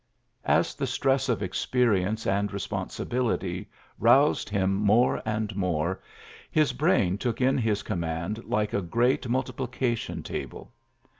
'' As the stress of experience and responsi bility roused him more and more, his brain took in his command like a great mnltiplication table.